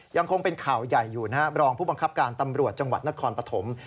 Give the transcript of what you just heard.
ยังคงเป็นข่าวใหญ่อยู่นะครับรองผู้บังคับการตำรวจจังหวัดนครปฐม